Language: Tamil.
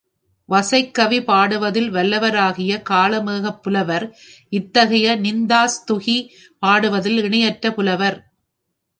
வசைக்கவி பாடுவதில் வல்லா ராகிய காளமேகப்புலவர் இத்தகைய நிந்தாஸ்துகி பாடுவதில் இணையற்ற புலவர்.